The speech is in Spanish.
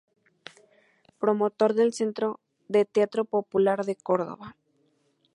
Promotor del Centro de Teatro Popular de Córdoba.